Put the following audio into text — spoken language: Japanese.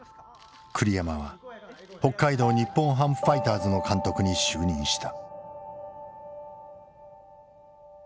栗山は北海道日本ハムファイターズの監督に就任した。